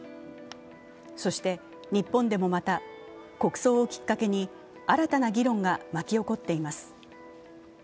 そして日本でもまた国葬をきっかけに新たな議論が巻き起こっています。